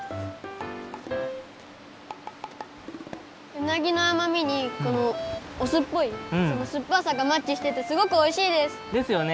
うなぎのあまみにこのおすっぽいすっぱさがマッチしててすごくおいしいです！ですよね。